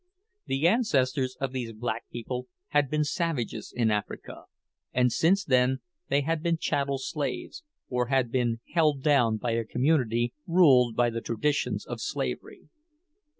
The ancestors of these black people had been savages in Africa; and since then they had been chattel slaves, or had been held down by a community ruled by the traditions of slavery.